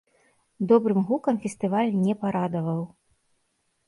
Добрым гукам фестываль не парадаваў.